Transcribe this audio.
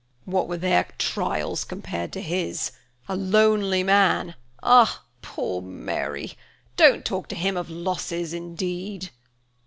"What were their trials compared to his? A lonely man–ah! poor Mary! don't talk to him of losses indeed!"